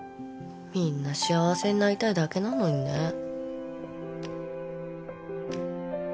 みんな幸せになりたいだけなのにね。